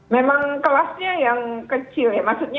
memang kelasnya yang kecil ya maksudnya